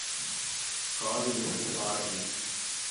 காவி நிறத்து ஆடைகள்!